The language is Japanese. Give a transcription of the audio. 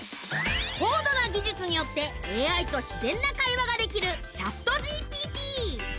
高度な技術によってＡＩと自然な会話ができるＣｈａｔＧＰＴ